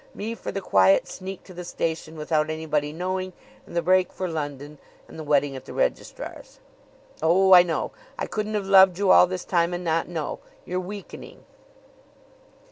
Me for the quiet sneak to the station, without anybody knowing, and the break for London, and the wedding at the registrar's.' Oh, I know! I couldn't have loved you all this time and not know. You're weakening."